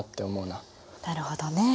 なるほどね。